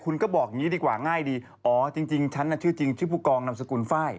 งี้ดีกว่าง่ายดีอ๋อจริงฉันน่ะชื่อจริงชื่อผู้กองนำสกุลไฟล์